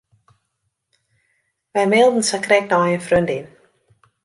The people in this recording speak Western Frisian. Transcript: Wy mailden sakrekt nei in freondin.